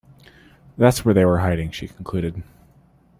"That's where they were hiding," she concluded.